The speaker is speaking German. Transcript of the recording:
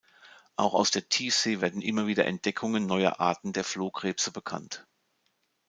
Auch aus der Tiefsee werden immer wieder Entdeckungen neuer Arten der Flohkrebse bekannt.